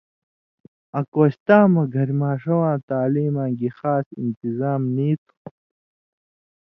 آں کوستاں مہ گھریۡماݜہ واں تعلیماں گی خاص انتظام نی تُھو۔